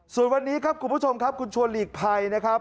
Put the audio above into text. ส่วนวันนี้ครับคุณผู้ชมครับคุณชวนหลีกภัยนะครับ